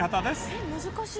えっ難しい。